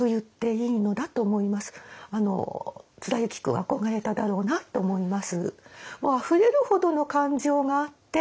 貫之君憧れただろうなって思います。